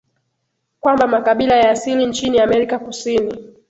kwamba makabila ya asili nchini Amerika Kusini